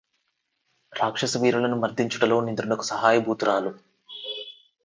రాక్షసవీరులను మర్దించుటలో నింద్రునకు సహాయభూతు రాలు